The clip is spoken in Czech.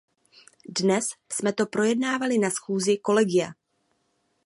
Dnes jsme to projednávali na schůzi kolegia.